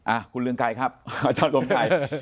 อ่ะคุณเรืองไกรครับอาจารย์รวมไทย